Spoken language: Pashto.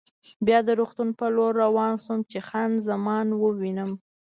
بیا د روغتون په لور روان شوم چې خان زمان ووینم.